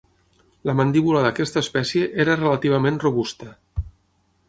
La mandíbula d'aquesta espècie era relativament robusta.